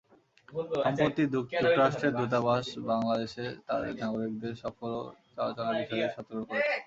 সম্প্রতি যুক্তরাষ্ট্রের দূতাবাস বাংলাদেশে তাদের নাগরিকদের সফর ও চলাচলের বিষয়ে সতর্ক করেছে।